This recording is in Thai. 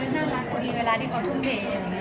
น่ารักพอดีเวลาที่เขาทุ่มเท